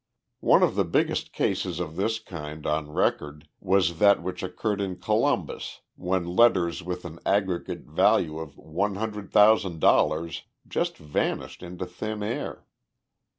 One of the biggest cases of this kind on record was that which occurred in Columbus when letters with an aggregate value of one hundred thousand dollars just vanished into thin air.